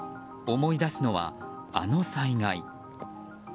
思い出すのは、あの災害。